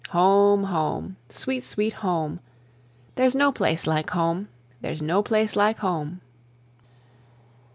Home! sweet, sweet Home! There's no place like Home! there's no place like Home!